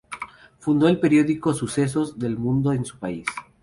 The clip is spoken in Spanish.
Fundó el periódico Sucesos del Mundo en su país.